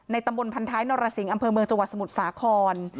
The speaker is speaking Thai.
ตำบลพันท้ายนรสิงห์อำเภอเมืองจังหวัดสมุทรสาคร